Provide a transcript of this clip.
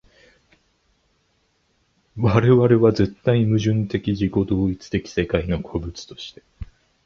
我々は絶対矛盾的自己同一的世界の個物として、